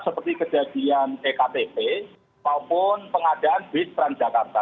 seperti kejadian ekpp maupun pengadaan bistran jakarta